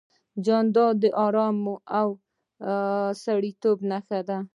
جانداد د ارام او سړیتوب نښه ده.